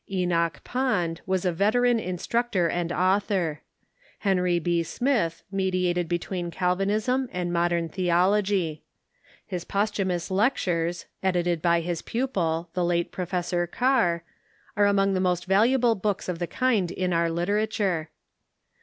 Enoch Pond Avas a veteran instructor and autlior. Henry B. Smith mediated between Calvinism and modern theology. His post humous lectures, edited by his pupil, the late Professor Karr, are among the most valuable books of the kind in our literature.